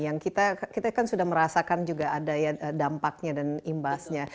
yang kita kan sudah merasakan juga ada ya dampaknya dan imbasnya